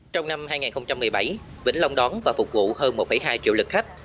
trong năm hai nghìn một mươi bảy vĩnh long đón và phục vụ hơn một hai triệu lực khách